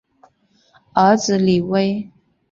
儿子李威。